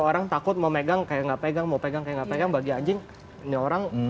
soalnya satu dua anjing yang udah instant this ayo